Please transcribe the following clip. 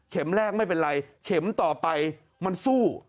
แรกไม่เป็นไรเข็มต่อไปมันสู้